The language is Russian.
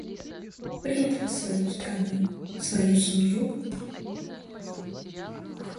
Предал свою страну, свою семью?